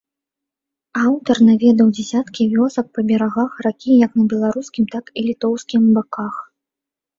Аўтар наведаў дзясяткі вёсак па берагах ракі як на беларускім, так і літоўскім баках.